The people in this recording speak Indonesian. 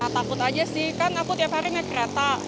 takut aja sih kan aku tiap hari naik kereta